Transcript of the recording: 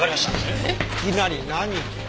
いきなり何？